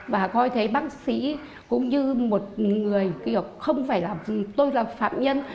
và coi thế bác sĩ cũng như một người kiểu không phải là tôi là phạm nhân